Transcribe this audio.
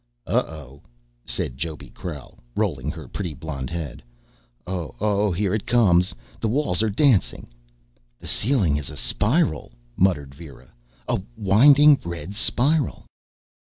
_ "Oh, oh ..." said Joby Krail, rolling her pretty blond head, "oh, oh ... here it comes. The walls are dancing...." "The ceiling is a spiral," muttered Vera, "a winding red spiral."